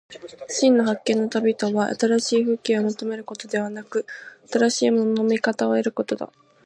真の発見の旅とは、新しい風景を求めることでなく、新しいものの見方を得ることだ。